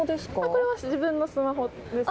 これは自分のスマホです。